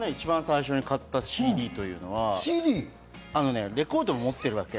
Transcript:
私がね、最初に買ったＣＤというのは、レコード持ってるわけ。